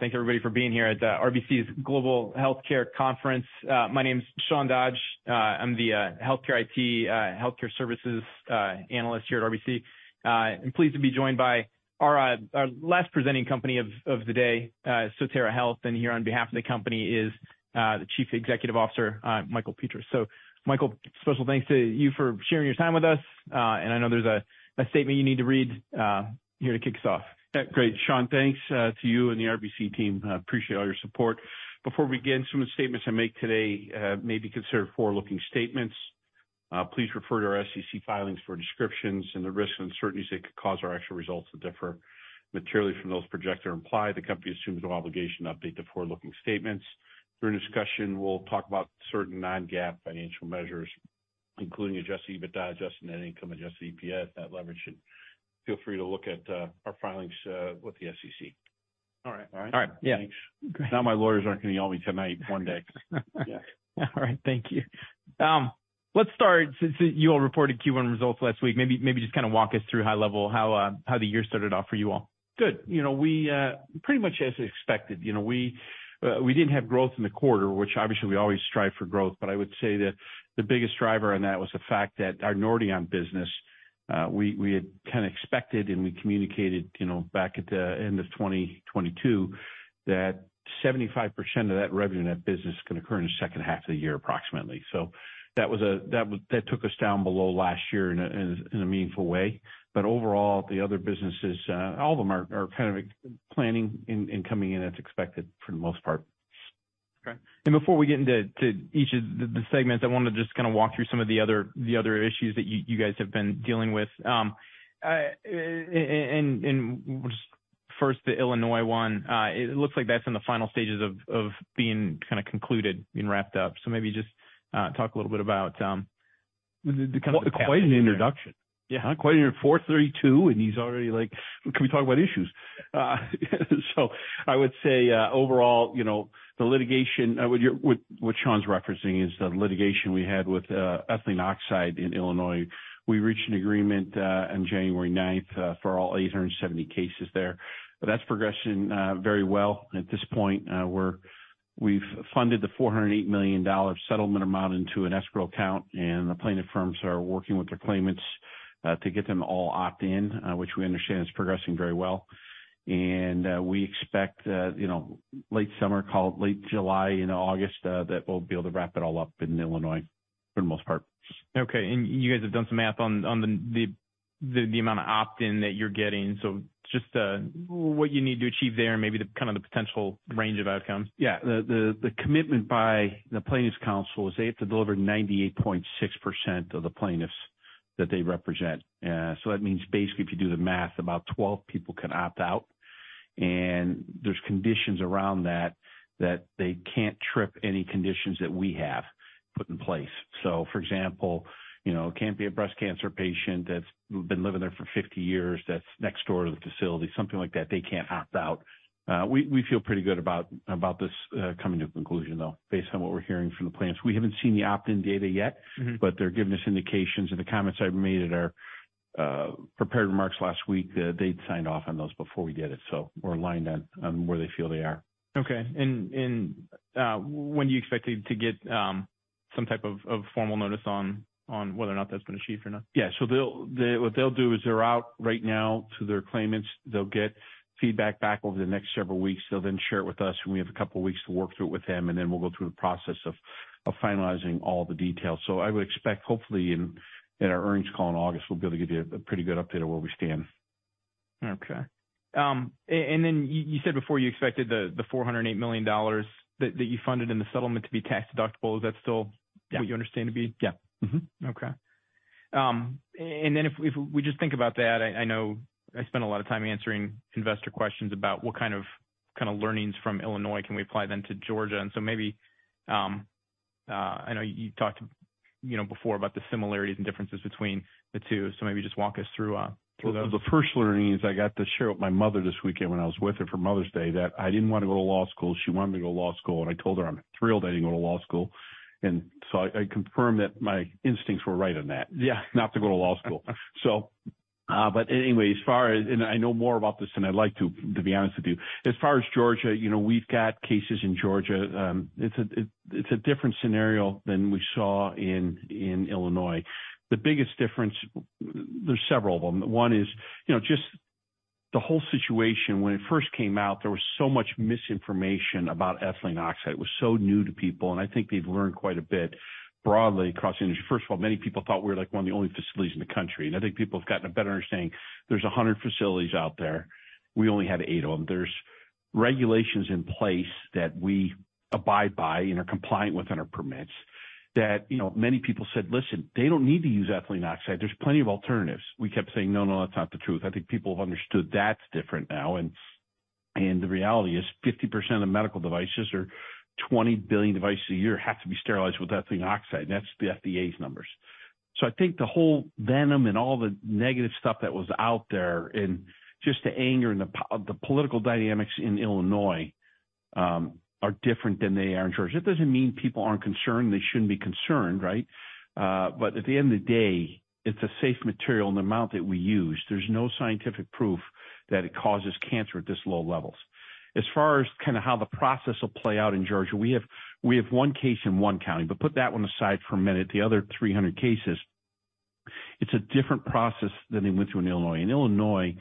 Thanks everybody for being here at RBC's Global Healthcare Conference. My name's Sean Dodge. I'm the healthcare IT, healthcare services, analyst here at RBC. I'm pleased to be joined by our last presenting company of the day, Sotera Health. Here on behalf of the company is the Chief Executive Officer, Michael Petras. Michael, special thanks to you for sharing your time with us. I know there's a statement you need to read here to kick us off. Yeah, great, Sean. Thanks to you and the RBC team. I appreciate all your support. Before we begin, some of the statements I make today may be considered forward-looking statements. Please refer to our SEC filings for descriptions and the risks and uncertainties that could cause our actual results to differ materially from those projected or implied. The company assumes no obligation to update the forward-looking statements. During the discussion, we'll talk about certain non-GAAP financial measures, including adjusted EBITDA, adjusted net income, adjusted EPS, net leverage, and feel free to look at our filings with the SEC. All right. All right? All right. Yeah. Thanks. Great. my lawyers aren't gonna yell me tonight. One day. Yeah. All right. Thank you. Let's start since you all reported Q1 results last week, maybe just kinda walk us through high level how the year started off for you all. Good. You know, we pretty much as expected, you know, we didn't have growth in the quarter, which obviously we always strive for growth, but I would say that the biggest driver on that was the fact that our Nordion business, we had kinda expected and we communicated, you know, back at the end of 2022 that 75% of that revenue in that business is gonna occur in the second half of the year, approximately. That took us down below last year in a meaningful way. Overall, the other businesses, all of them are kind of planning and coming in as expected for the most part. Okay. Before we get into each of the segments, I wanna just kinda walk through some of the other issues that you guys have been dealing with. And just first, the Illinois one. It looks like that's in the final stages of being kinda concluded, being wrapped up. Maybe just talk a little bit about the kind of- Quite an introduction. Yeah. Huh? Quite an introduction. 432, and he's already like, "Can we talk about issues?" I would say, overall, you know, the litigation, what Sean's referencing is the litigation we had with ethylene oxide in Illinois. We reached an agreement on January 9th for all 870 cases there. That's progressing very well. At this point, we've funded the $408 million settlement amount into an escrow account, and the plaintiff firms are working with their claimants to get them all opt in, which we understand is progressing very well. We expect, you know, late summer, call it late July, you know, August, that we'll be able to wrap it all up in Illinois for the most part. Okay. You guys have done some math on the amount of opt-in that you're getting. Just what you need to achieve there and maybe the kind of the potential range of outcomes. Yeah. The, the commitment by the plaintiffs' counsel is they have to deliver 98.6% of the plaintiffs that they represent. That means basically if you do the math, about 12 people can opt out. There's conditions around that they can't trip any conditions that we have put in place. For example, you know, it can't be a breast cancer patient that's been living there for 50 years, that's next door to the facility, something like that. They can't opt out. We feel pretty good about this coming to a conclusion though, based on what we're hearing from the plaintiffs. We haven't seen the opt-in data yet- Mm-hmm. They're giving us indications and the comments I've made at our prepared remarks last week, they'd signed off on those before we did it. We're aligned on where they feel they are. Okay. When do you expect to get some type of formal notice on whether or not that's been achieved or not? Yeah. What they'll do is they're out right now to their claimants. They'll get feedback back over the next several weeks. They'll share it with us. We have a couple of weeks to work through it with them. We'll go through the process of finalizing all the details. I would expect hopefully in our earnings call in August, we'll be able to give you a pretty good update of where we stand. Okay. Then you said before you expected the $408 million that you funded in the settlement to be tax-deductible. Is that still? Yeah. What you understand to be? Yeah. Mm-hmm. Okay. and then if we just think about that, I know I spend a lot of time answering investor questions about what kind of learnings from Illinois can we apply then to Georgia. Maybe, I know you talked, you know, before about the similarities and differences between the two. Maybe just walk us through those. The first learning is I got to share with my mother this weekend when I was with her for Mother's Day that I didn't wanna go to law school. She wanted me to go to law school, and I told her I'm thrilled I didn't go to law school. I confirmed that my instincts were right on that. Yeah. Not to go to law school. Anyway, as far as, and I know more about this than I'd like to be honest with you. As far as Georgia, you know, we've got cases in Georgia. It's a different scenario than we saw in Illinois. The biggest difference. There's several of them. One is, you know, just the whole situation. When it first came out, there was so much misinformation about ethylene oxide. It was so new to people, and I think they've learned quite a bit broadly across the industry. First of all, many people thought we were like one of the only facilities in the country, and I think people have gotten a better understanding there's 100 facilities out there. We only have eight of them. There's regulations in place that we abide by and are compliant with in our permits that, you know, many people said, "Listen, they don't need to use ethylene oxide. There's plenty of alternatives." We kept saying, "No, no, that's not the truth." I think people have understood that's different now. The reality is 50% of medical devices or 20 billion devices a year have to be sterilized with ethylene oxide, and that's the FDA's numbers. I think the whole venom and all the negative stuff that was out there and just the anger and the political dynamics in Illinois, are different than they are in Georgia. It doesn't mean people aren't concerned, they shouldn't be concerned, right? At the end of the day, it's a safe material in the amount that we use. There's no scientific proof that it causes cancer at this low levels. As far as kind of how the process will play out in Georgia, we have one case in one county, but put that one aside for a minute. The other 300 cases, it's a different process than they went through in Illinois. In Illinois,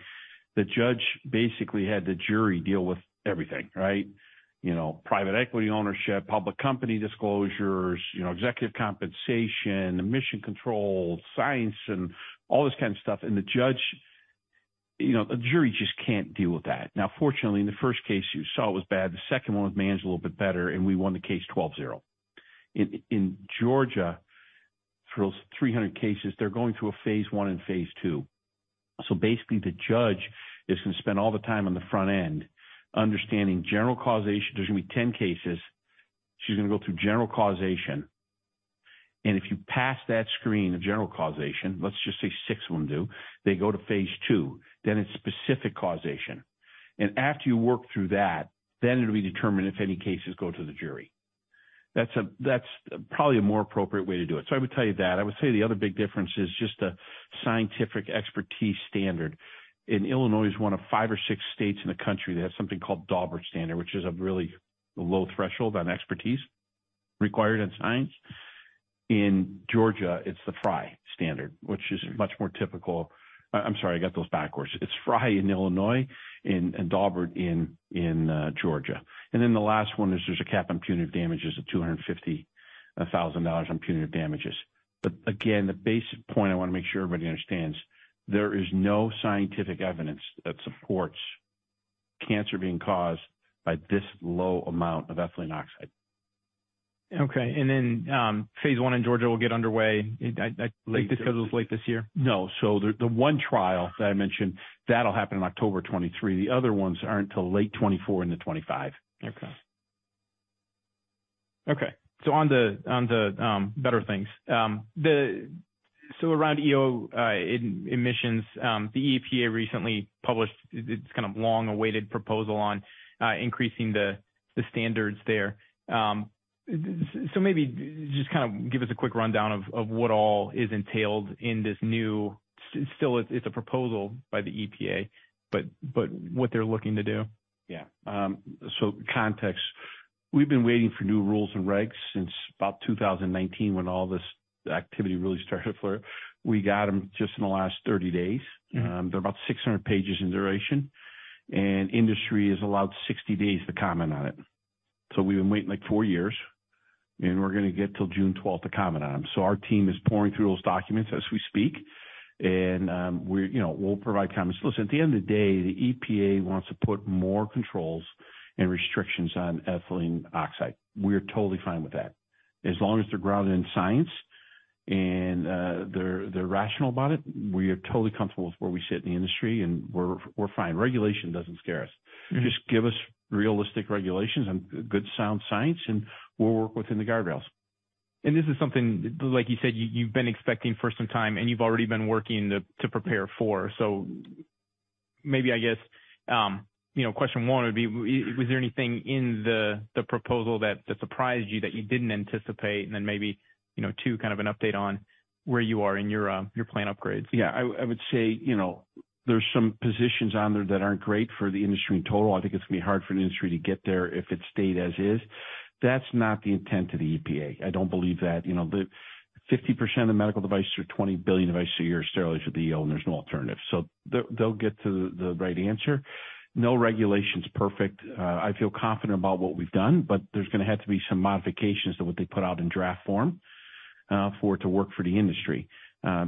the judge basically had the jury deal with everything, right? You know, private equity ownership, public company disclosures, you know, executive compensation, emission control, science, and all this kind of stuff. The judge, you know, a jury just can't deal with that. Now, fortunately, in the first case, you saw it was bad. The second one was managed a little bit better, and we won the case 12-0. In Georgia, for those 300 cases, they're going through a phase I and phase II. Basically, the judge is gonna spend all the time on the front end understanding general causation. There's gonna be 10 cases. She's gonna go through general causation. If you pass that screen of general causation, let's just say six of them do, they go to phase II, then it's specific causation. After you work through that, then it'll be determined if any cases go to the jury. That's probably a more appropriate way to do it. I would tell you that. I would say the other big difference is just a scientific expertise standard. Illinois is one of five or six states in the country that have something called Daubert standard, which is a really low threshold on expertise required in science. In Georgia, it's the Frye standard, which is much more typical. I'm sorry, I got those backwards. It's Frye in Illinois and Daubert in Georgia. The last one is there's a cap on punitive damages of $250,000 on punitive damages. Again, the basic point I wanna make sure everybody understands, there is no scientific evidence that supports cancer being caused by this low amount of ethylene oxide. Okay. phase I in Georgia will get underway. Late this year. Late this year? No. The, the one trial that I mentioned, that'll happen in October 2023. The other ones aren't till late 2024 into 2025. Okay. Okay. on the better things. around EO emissions, the EPA recently published its, kind of, long-awaited proposal on increasing the standards there. maybe just kind of give us a quick rundown of what all is entailed in this new... Still, it's a proposal by the EPA, but what they're looking to do. Yeah. Context. We've been waiting for new rules and regs since about 2019, when all this activity really started to flare. We got them just in the last 30 days. Mm-hmm. They're about 600 pages in duration. Industry is allowed 60 days to comment on it. We've been waiting, like, four years, and we're gonna get till June 12th to comment on them. Our team is pouring through those documents as we speak. We, you know, we'll provide comments. Listen, at the end of the day, the EPA wants to put more controls and restrictions on ethylene oxide. We're totally fine with that. As long as they're grounded in science and they're rational about it, we are totally comfortable with where we sit in the industry, and we're fine. Regulation doesn't scare us. Mm-hmm. Just give us realistic regulations and good sound science. We'll work within the guardrails. This is something, like you said, you've been expecting for some time and you've already been working to prepare for. Maybe, I guess, you know, question one would be, was there anything in the proposal that surprised you that you didn't anticipate? Then maybe, you know, two, kind of an update on where you are in your plan upgrades. Yeah, you know, there's some positions on there that aren't great for the industry in total. I think it's gonna be hard for the industry to get there if it stayed as is. That's not the intent of the EPA. I don't believe that. You know, the 50% of medical devices or 20 billion devices a year sterilized with EO, there's no alternative. They'll get to the right answer. No regulation's perfect. I feel confident about what we've done, there's gonna have to be some modifications to what they put out in draft form for it to work for the industry.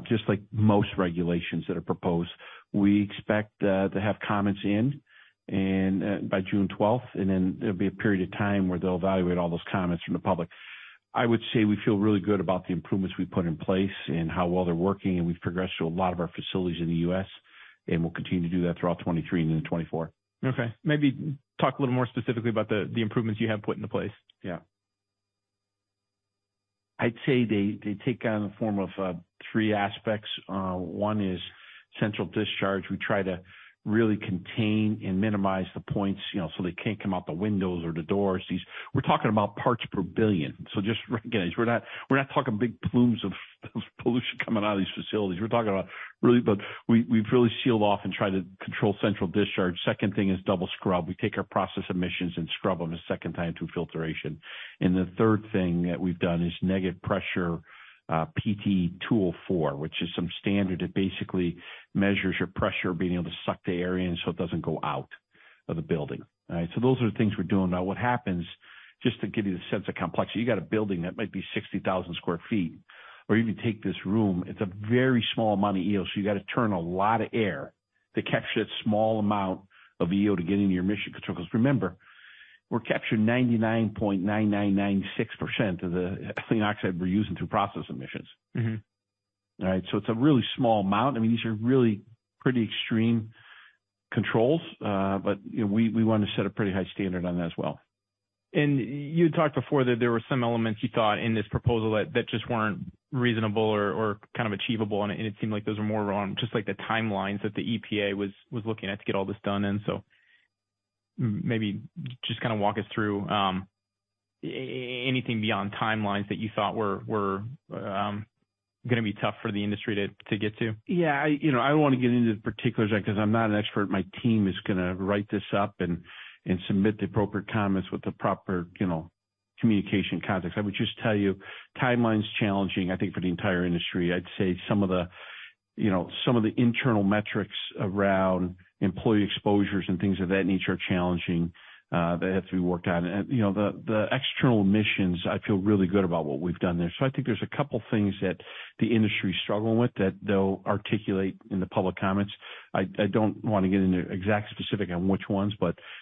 Just like most regulations that are proposed. We expect to have comments in by June 12, there'll be a period of time where they'll evaluate all those comments from the public. I would say we feel really good about the improvements we've put in place and how well they're working, and we've progressed through a lot of our facilities in the U.S., and we'll continue to do that throughout 2023 and into 2024. Okay. Maybe talk a little more specifically about the improvements you have put into place. I'd say they take on the form of three aspects. One is central discharge. We try to really contain and minimize the points, you know, so they can't come out the windows or the doors. We're talking about parts per billion. Just recognize, we're not talking big plumes of pollution coming out of these facilities. We're talking about really. We've really sealed off and try to control central discharge. Second thing is double scrub. We take our process emissions and scrub them a second time through filtration. The third thing that we've done is negative pressure, PT-204, which is some standard that basically measures your pressure being able to suck the air in so it doesn't go out of the building. All right? Those are the things we're doing. What happens, just to give you the sense of complexity, you got a building that might be 60,000 sq ft, or even take this room. It's a very small amount of EO, so you got to turn a lot of air to capture that small amount of EO to get into your emission control. 'Cause remember, we're capturing 99.9996% of the ethylene oxide we're using through process emissions. Mm-hmm. All right? It's a really small amount. I mean, these are really pretty extreme controls, but, you know, we wanna set a pretty high standard on that as well. You had talked before that there were some elements you thought in this proposal that just weren't reasonable or kind of achievable, and it seemed like those were more around just like the timelines that the EPA looking at to get all this done. Maybe just kind of walk us through, anything beyond timelines that you thought were gonna be tough for the industry to get to. Yeah. You know, I don't want to get into the particulars because I'm not an expert. My team is going to write this up and submit the appropriate comments with the proper, you know, communication context. I would just tell you timeline's challenging, I think, for the entire industry. I'd say some of the, you know, internal metrics around employee exposures and things of that nature are challenging that have to be worked on. You know, the external emissions, I feel really good about what we've done there. I think there's a couple things that the industry is struggling with that they'll articulate in the public comments. I don't want to get into exact specific on which ones,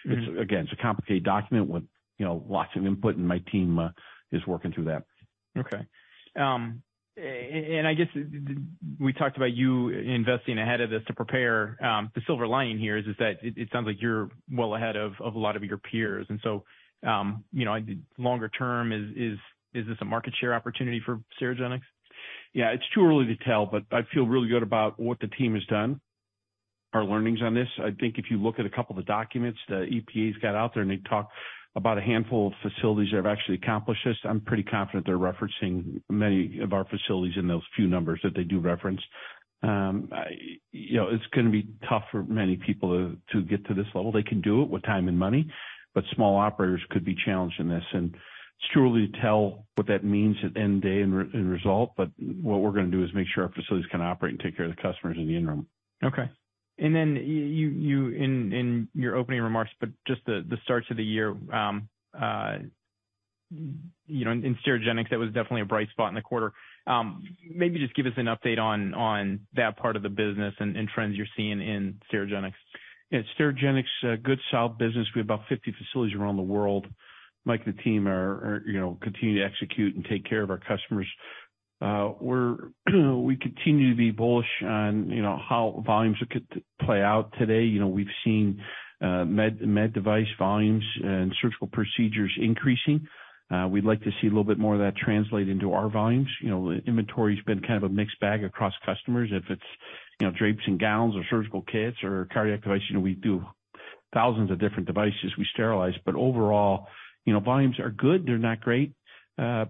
it's, again, it's a complicated document with, you know, lots of input, and my team is working through that. Okay. I guess we talked about you investing ahead of this to prepare. The silver lining here is that it sounds like you're well ahead of a lot of your peers. You know, longer term, is this a market share opportunity for Sterigenics? Yeah. It's too early to tell, but I feel really good about what the team has done, our learnings on this. I think if you look at a couple of the documents the EPA's got out there, and they talk about a handful of facilities that have actually accomplished this, I'm pretty confident they're referencing many of our facilities in those few numbers that they do reference. you know, it's gonna be tough for many people to get to this level. They can do it with time and money, but small operators could be challenged in this. It's too early to tell what that means at the end of the day in result. What we're gonna do is make sure our facilities can operate and take care of the customers in the interim. Okay. Then you in your opening remarks, but just the starts of the year, you know, in Sterigenics, that was definitely a bright spot in the quarter. Maybe just give us an update on that part of the business and trends you're seeing in Sterigenics. Yeah. Sterigenics, a good solid business. We have about 50 facilities around the world. Mike and the team are, you know, continue to execute and take care of our customers. We continue to be bullish on, you know, how volumes could play out today. You know, we've seen med device volumes and surgical procedures increasing. We'd like to see a little bit more of that translate into our volumes. You know, inventory's been kind of a mixed bag across customers. If it's, you know, drapes and gowns or surgical kits or cardiac devices, you know, we do thousands of different devices we sterilize. Overall, you know, volumes are good. They're not great,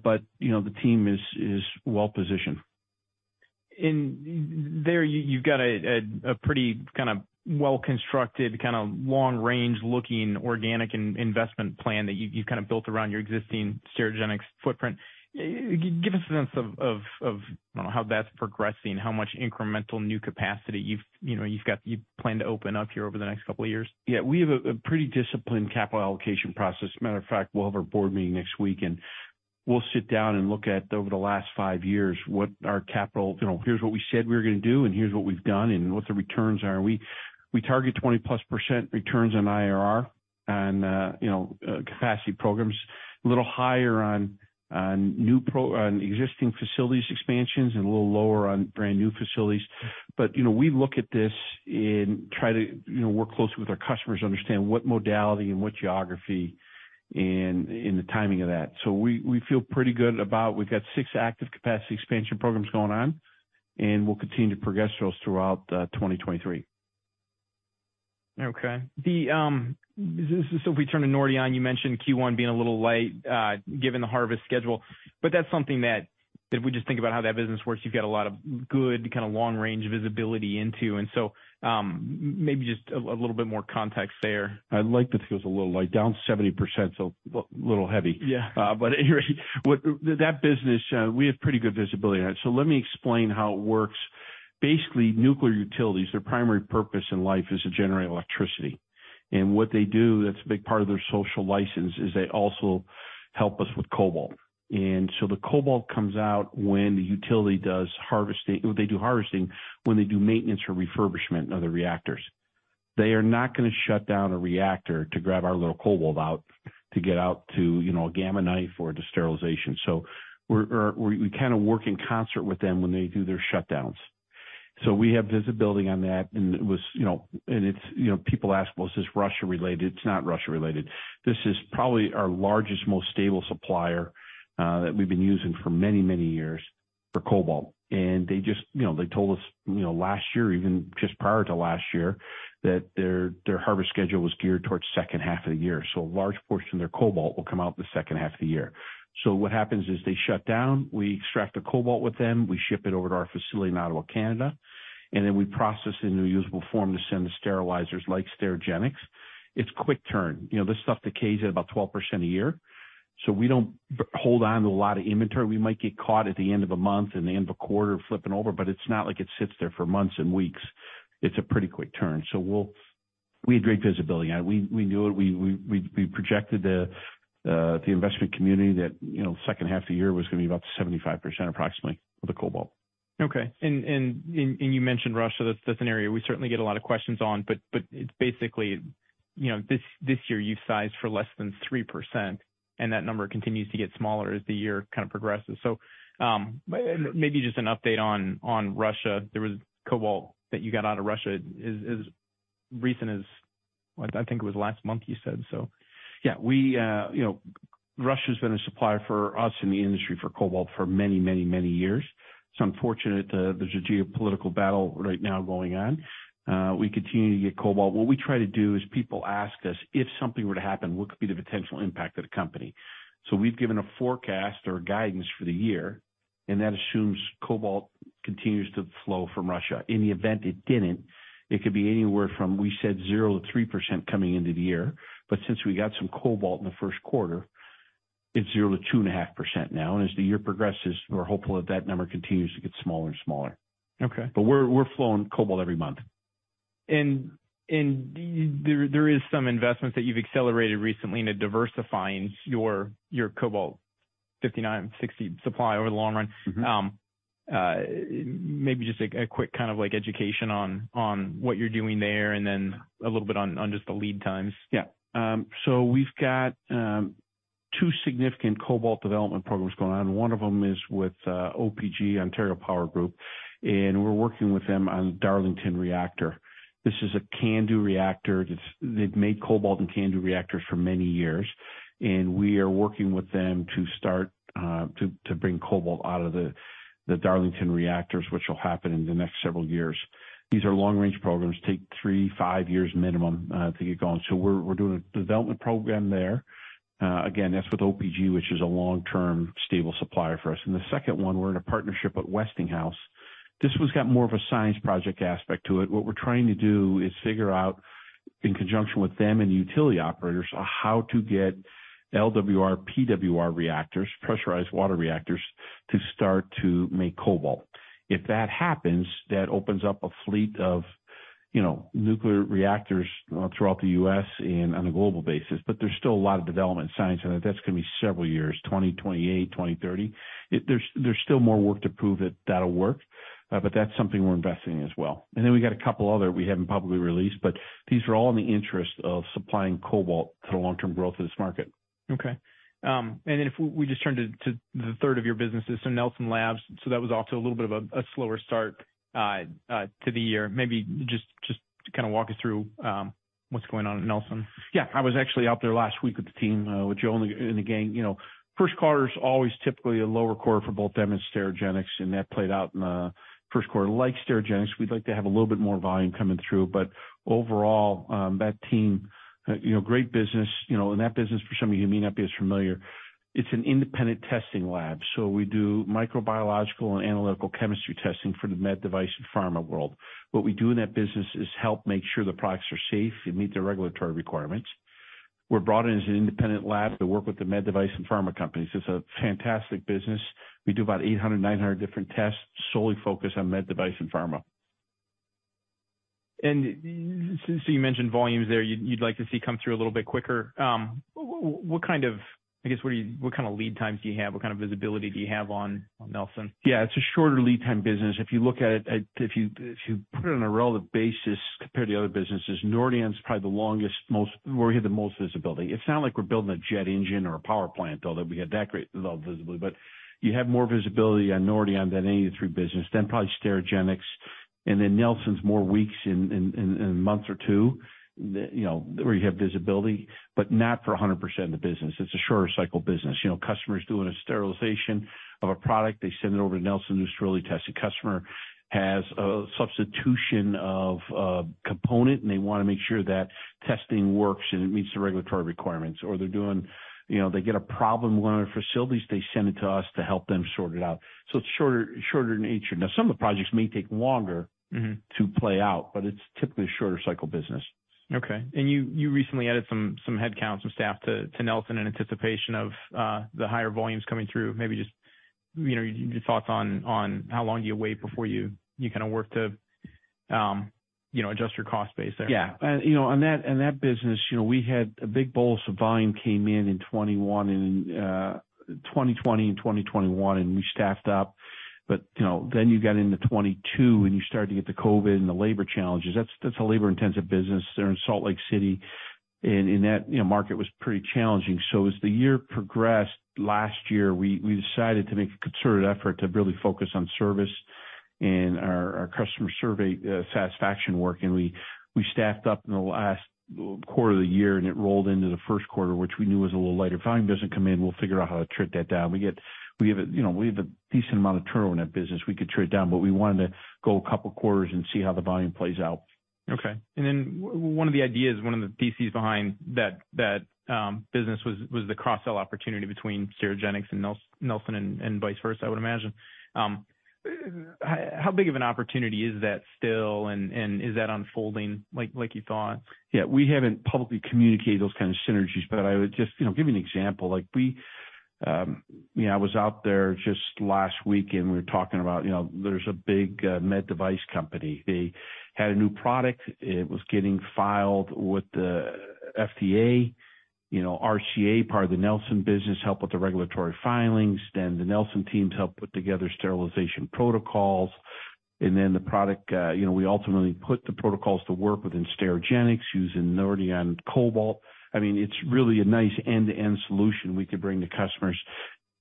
but, you know, the team is well-positioned. There you've got a pretty kind of well-constructed, kind of long range looking organic in-investment plan that you've kind of built around your existing Sterigenics footprint. Give us a sense of, I don't know how that's progressing, how much incremental new capacity you've, you know, you plan to open up here over the next couple of years? Yeah. We have a pretty disciplined capital allocation process. Matter of fact, we'll have our board meeting next week, and we'll sit down and look at over the last five years what our capital, you know, here's what we said we were gonna do and here's what we've done and what the returns are. We target 20%+ returns on IRR and, you know, capacity programs a little higher on existing facilities expansions and a little lower on brand new facilities. You know, we look at this and try to, you know, work closely with our customers to understand what modality and what geography and the timing of that. We feel pretty good about we've got six active capacity expansion programs going on, and we'll continue to progress those throughout 2023. If we turn to Nordion, you mentioned Q1 being a little light, given the harvest schedule, but that's something that if we just think about how that business works, you've got a lot of good kind of long-range visibility into. Maybe just a little bit more context there. I like that it feels a little light. Down 70%, so a little heavy. Yeah. Anyway, that business, we have pretty good visibility on it. Let me explain how it works. Basically, nuclear utilities, their primary purpose in life is to generate electricity. What they do, that's a big part of their social license, is they also help us with cobalt. The cobalt comes out when the utility does harvesting when they do maintenance or refurbishment of the reactors. They are not gonna shut down a reactor to grab our little cobalt out, to get out to, you know, a Gamma Knife or to sterilization. We kind of work in concert with them when they do their shutdowns. We have visibility on that. It was, you know, and it's, you know, people ask, "Well, is this Russia related?" It's not Russia related. This is probably our largest, most stable supplier that we've been using for many, many years for cobalt. They just, you know, they told us, you know, last year, even just prior to last year, that their harvest schedule was geared towards second half of the year. A large portion of their cobalt will come out in the second half of the year. What happens is they shut down, we extract the cobalt with them, we ship it over to our facility in Ottawa, Canada, and then we process it into usable form to send to sterilizers like Sterigenics. It's quick turn. You know, this stuff decays at about 12% a year, so we don't hold on to a lot of inventory. We might get caught at the end of a month and the end of a quarter flipping over, but it's not like it sits there for months and weeks. It's a pretty quick turn. We had great visibility, and we knew it. We projected the investment community that, you know, second half of the year was gonna be about 75% approximately of the cobalt. Okay. You mentioned Russia. That's an area we certainly get a lot of questions on. It's basically, you know, this year you've sized for less than 3%, and that number continues to get smaller as the year kind of progresses. Maybe just an update on Russia. There was cobalt that you got out of Russia. Is Recent as what? I think it was last month, you said. Yeah, we, you know, Russia's been a supplier for us in the industry for cobalt for many, many, many years. It's unfortunate, there's a geopolitical battle right now going on. We continue to get cobalt. What we try to do is people ask us if something were to happen, what could be the potential impact of the company? We've given a forecast or guidance for the year, and that assumes cobalt continues to flow from Russia. In the event it didn't, it could be anywhere from, we said 0%-3% coming into the year. Since we got some cobalt in the 1st quarter, it's 0%-2.5% now. As the year progresses, we're hopeful that that number continues to get smaller and smaller. Okay. We're flowing cobalt every month. There is some investments that you've accelerated recently into diversifying your Cobalt-59, Cobalt-60 supply over the long run. Mm-hmm. Maybe just a quick kind of like education on what you're doing there and then a little bit on just the lead times. So we've got two significant cobalt development programs going on. One of them is with OPG, Ontario Power Generation, and we're working with them on Darlington Reactor. This is a CANDU reactor. They've made cobalt and CANDU reactors for many years, and we are working with them to start to bring cobalt out of the Darlington reactors, which will happen in the next several years. These are long-range programs, take 3-5 years minimum to get going. We're doing a development program there. Again, that's with OPG, which is a long-term stable supplier for us. The second one, we're in a partnership at Westinghouse. This one's got more of a science project aspect to it. What we're trying to do is figure out, in conjunction with them and utility operators, on how to get LWR, PWR reactors, Pressurized Water Reactors, to start to make cobalt. If that happens, that opens up a fleet of, you know, nuclear reactors throughout the U.S. and on a global basis. There's still a lot of development science, and that's gonna be several years, 2028, 2030. There's still more work to prove that that'll work, but that's something we're investing in as well. We got a couple other we haven't publicly released, but these are all in the interest of supplying cobalt to the long-term growth of this market. Okay. If we just turn to the third of your businesses, so Nelson Labs. That was also a little bit of a slower start to the year. Maybe just to kinda walk us through, what's going on at Nelson. Yeah. I was actually out there last week with the team, with Joe and the, and the gang. You know, first quarter's always typically a lower quarter for both them and Sterigenics, and that played out in first quarter. Like Sterigenics, we'd like to have a little bit more volume coming through. Overall, that team, you know, great business. You know, that business for some of you who may not be as familiar, it's an independent testing lab. We do microbiological and analytical chemistry testing for the med device and pharma world. What we do in that business is help make sure the products are safe and meet the regulatory requirements. We're brought in as an independent lab to work with the med device and pharma companies. It's a fantastic business. We do about 800, 900 different tests, solely focused on med device and pharma. Since you mentioned volumes there you'd like to see come through a little bit quicker, I guess, what kind of lead times do you have? What kind of visibility do you have on Nelson? Yeah. It's a shorter lead time business. If you look at it, if you put it on a relative basis compared to other businesses, Nordion's probably the longest, most where we have the most visibility. It's not like we're building a jet engine or a power plant, although we have that great level of visibility. You have more visibility on Nordion than any of the three business, then probably Sterigenics. Nelson's more weeks and months or two, you know, where you have visibility, but not for 100% of the business. It's a shorter cycle business. You know, customers doing a sterilization of a product, they send it over to Nelson, who thoroughly tests it. Customer has a substitution of a component, and they wanna make sure that testing works and it meets the regulatory requirements. They're doing, you know, they get a problem with one of their facilities, they send it to us to help them sort it out. It's shorter in nature. Some of the projects may take longer. Mm-hmm. to play out, but it's typically a shorter cycle business. Okay. You recently added some headcount, some staff to Nelson Labs in anticipation of the higher volumes coming through. Maybe just, you know, your thoughts on how long do you wait before you kinda work to, you know, adjust your cost base there. Yeah. You know, on that, in that business, you know, we had a big bolus of volume came in in 2021 and in 2020 and 2021, and we staffed up. You know, then you got into 2022, and you started to get the COVID and the labor challenges. That's, that's a labor-intensive business. They're in Salt Lake City, and that, you know, market was pretty challenging. As the year progressed last year, we decided to make a concerted effort to really focus on service and our customer survey satisfaction work. We staffed up in the last quarter of the year, and it rolled into the first quarter, which we knew was a little lighter. Volume doesn't come in, we'll figure out how to trim that down. We have a, you know, we have a decent amount of turnover in that business. We could trim it down, but we wanted to go a couple quarters and see how the volume plays out. Okay. One of the ideas, one of the pieces behind that business was the cross-sell opportunity between Sterigenics and Nelson Labs and vice versa, I would imagine. How big of an opportunity is that still, and is that unfolding like you thought? Yeah. We haven't publicly communicated those kind of synergies, but I would just, you know, give you an example. Like we, you know, I was out there just last week, and we were talking about, you know, there's a big med device company. They had a new product. It was getting filed with the FDA. You know, RCA, part of the Nelson business, helped with the regulatory filings. The Nelson teams helped put together sterilization protocols. The product, you know, we ultimately put the protocols to work within Sterigenics using Nordion Cobalt. I mean, it's really a nice end-to-end solution we could bring to customers.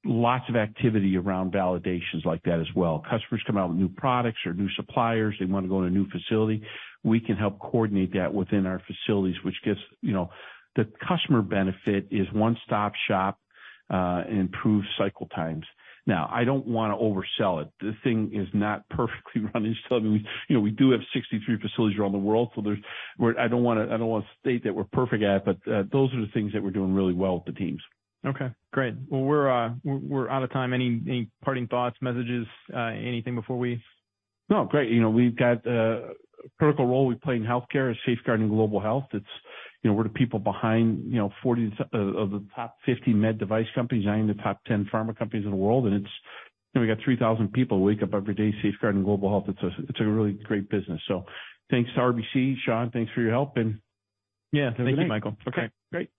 Lots of activity around validations like that as well. Customers come out with new products or new suppliers, they wanna go in a new facility, we can help coordinate that within our facilities, which gives, you know, the customer benefit is one-stop-shop and improved cycle times. I don't wanna oversell it. This thing is not perfectly run and stuff. I mean, you know, we do have 63 facilities around the world. I don't wanna state that we're perfect at it, those are the things that we're doing really well with the teams. Okay, great. Well, we're out of time. Any parting thoughts, messages, anything before we... No. Great. You know, we've got a critical role we play in healthcare is safeguarding global health. It's, you know, we're the people behind, you know, 40 of the top 50 med device companies, nine of the top 10 pharma companies in the world. It's, you know, we got 3,000 people wake up every day safeguarding global health. It's a, it's a really great business. Thanks to RBC. Sean, thanks for your help. Yeah. Thank you, Michael. Okay. Great.